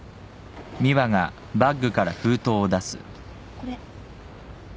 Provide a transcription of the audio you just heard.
これ。